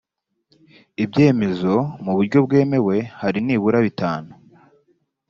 ibyemezo mu buryo bwemewe hari nibura bitanu